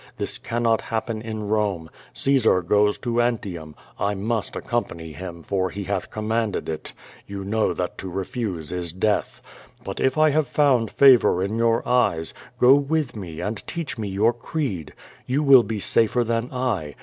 This cannot happen in Home. Caesar goes to Antium. I must accompany him, for he liath commanded it. You know that to refuse is death. IJut if I have found favor in your eyes, go with me and teach me your creed. You Avill be safer than I.